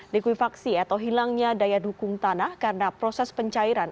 likuifaksi atau hilangnya daya dukung tanah karena proses pencairan